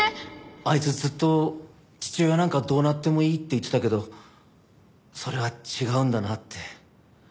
あいつずっと父親なんかどうなってもいいって言ってたけどそれは違うんだなって。